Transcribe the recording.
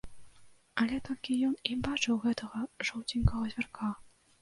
Але толькі ён і бачыў гэтага жоўценькага звярка.